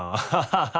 ハハハハ。